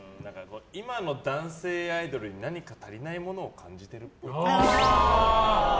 今の男性アイドルに何か足りないものを感じてるっぽい。